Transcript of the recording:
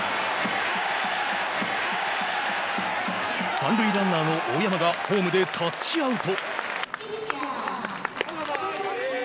三塁ランナーの大山がホームでタッチアウト。